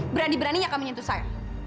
berani beraninya kamu nyentuh saya